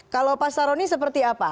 kalau pak saroni seperti apa